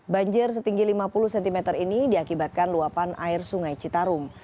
banjir setinggi lima puluh cm ini diakibatkan luapan air sungai citarum